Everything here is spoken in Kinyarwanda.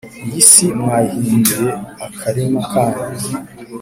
iyi si mwayihinduye akarima kanyu,